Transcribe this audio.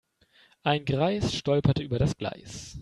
Ein Greis stolperte über das Gleis.